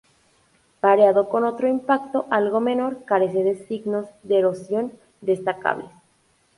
Pareado con otro impacto algo menor, carece de signos de erosión destacables.